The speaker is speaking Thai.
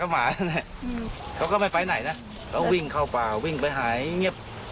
หรอครับ